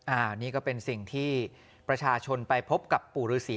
อันนี้ก็เป็นสิ่งที่ประชาชนไปพบกับปู่ฤษี